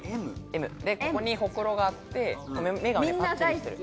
ここにほくろがあって、目がパッチリしてる。